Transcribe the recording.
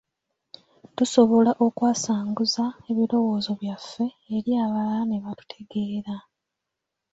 Tusobola okwasanguza ebirowoozo byaffe eri abalala ne batutegeera.